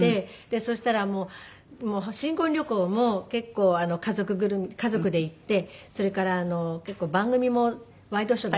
そしたらもう新婚旅行も結構家族ぐるみ家族で行ってそれからあの結構番組もワイドショーだ